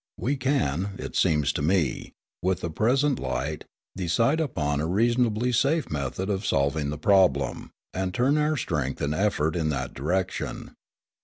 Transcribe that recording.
We can, it seems to me, with the present light, decide upon a reasonably safe method of solving the problem, and turn our strength and effort in that direction.